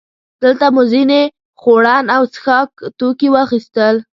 دلته مو ځینې خوړن او څښاک توکي واخیستل.